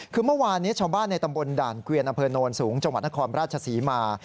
คือเมื่อวานนี้ชาวบ้านในตำบลด่านเกวียนอำเภอโนนสูงจังหวัดนครราชศรีมา